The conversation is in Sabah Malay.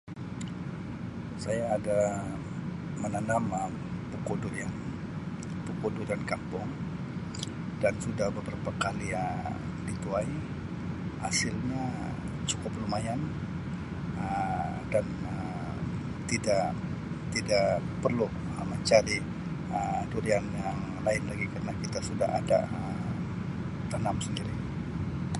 Saya ada menanam Um pokok Durian pokok Durian kampung dan sudah beberapa kali Um dituai hasilnya cukup lumayan Um dan Um tidak tidak perlu Um mencari Um Durian yang lain lagi kerna kita suda ada Um tanam sendiri.